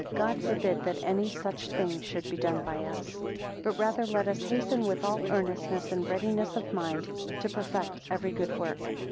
God forbid that any such thing should be done by us. 2 But rather let us hasten with all earnestness and readiness of mind, to perfect every good work.